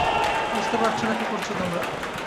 বুঝতে পারছো না কি করছো তোমরা!